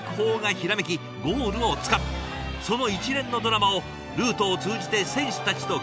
その一連のドラマをルートを通じて選手たちと共有する。